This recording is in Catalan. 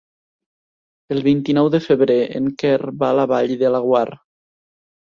El vint-i-nou de febrer en Quer va a la Vall de Laguar.